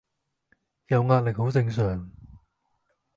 有壓力好正常